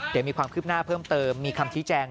เดี๋ยวมีความคืบหน้าเพิ่มเติมมีคำชี้แจง